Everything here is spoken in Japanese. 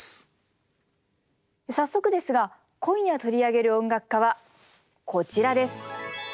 早速ですが今夜取り上げる音楽家はこちらです。